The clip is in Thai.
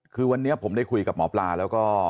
คือวันนี้ผมได้คุยกับหมอปลาแล้วก็